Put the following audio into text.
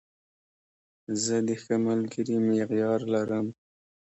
زه د ښه ملګري معیار لرم.